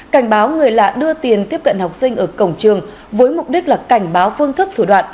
cảnh báo người lạ đưa tiền tiếp cận học sinh ở cổng trường với mục đích là cảnh báo phương thức thủ đoạn